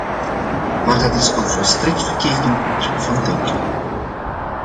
Maar dat is een volstrekt verkeerde manier van denken!